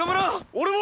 俺も！